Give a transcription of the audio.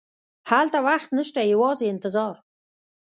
هلته وخت نه شته، یوازې انتظار.